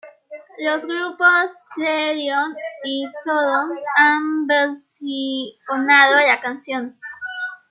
Los Grupos Therion y Sodom han Versionado la canción.